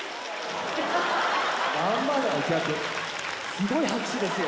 すごい拍手ですよ。